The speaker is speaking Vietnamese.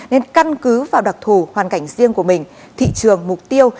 nên căn cứ vào đặc thù hoàn cảnh riêng của mình thị trường mục tiêu